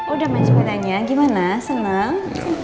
udah main sepedanya gimana senang